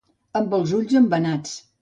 Amb els ulls embenats.